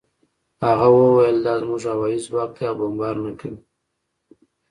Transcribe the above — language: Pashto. هغه وویل دا زموږ هوايي ځواک دی او بمبار نه کوي